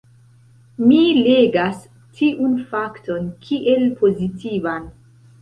Mi legas tiun fakton kiel pozitivan.